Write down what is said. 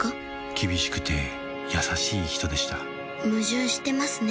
厳しくて優しい人でした矛盾してますね